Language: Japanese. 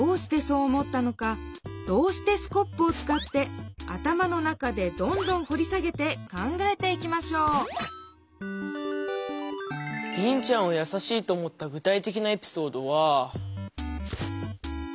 「どうしてスコップ」をつかって頭の中でどんどんほり下げて考えていきましょう「リンちゃんはやさしい」と思った具体的なエピソードは。